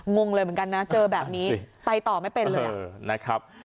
งงเลยเหมือนกันนะเจอแบบนี้ไปต่อไม่เป็นเลยนะครับ